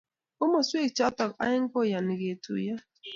Komoswek choto aeng koiyani ketuiyo